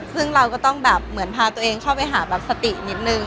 ซึ่งเราก็ต้องแบบเหมือนพาตัวเองเข้าไปหาแบบสตินิดนึง